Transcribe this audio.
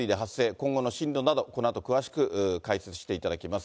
今後の進路など、このあと詳しく解説していただきます。